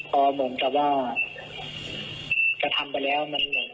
พอผมจะว่าถ้าทำไปแล้วมันลืมไปแล้วครับ